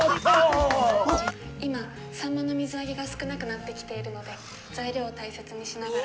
「今サンマの水揚げが少なくなってきているので材料を大切にしながら」。